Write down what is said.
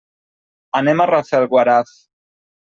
Anem a Rafelguaraf.